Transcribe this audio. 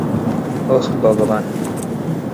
ওহ, ভগবান!